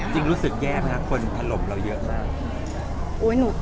จริงรู้สึกแย่ไหมคะคนถล่มเราเยอะมาก